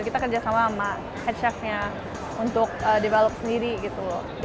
kita kerja sama sama head chef nya untuk develop sendiri gitu loh